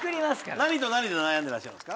何と何で悩んでらっしゃいますか？